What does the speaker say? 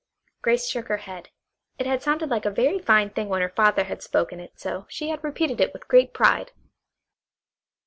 Grace shook her head. It had sounded like a very fine thing when her father had spoken it, so she had repeated it with great pride.